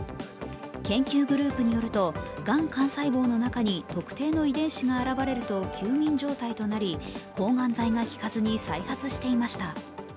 研究グループによると、がん幹細胞の中に特定の遺伝子が現れると休眠状態となり抗がん剤が効かずに再発していました。